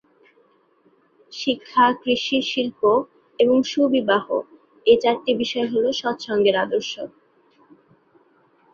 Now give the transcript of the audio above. শিক্ষা, কৃষি, শিল্প এবং সুবিবাহ- এ চারটি বিষয় হলো সৎসঙ্গের আদর্শ।